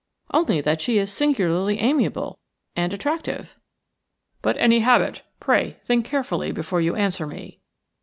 "Only that she is singularly amiable and attractive." "But any habit – pray think carefully before you answer me."